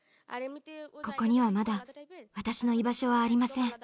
ここにはまだ私の居場所はありません。